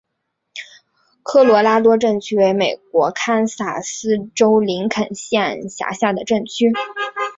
科罗拉多镇区为美国堪萨斯州林肯县辖下的镇区。